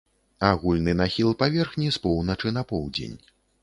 Агульны нахіл паверхні з поўначы на поўдзень.